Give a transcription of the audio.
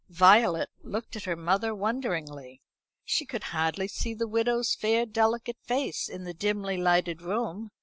Violet looked at her mother wonderingly. She could hardly see the widow's fair delicate face in the dimly lighted room.